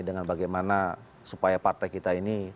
dengan bagaimana supaya partai kita ini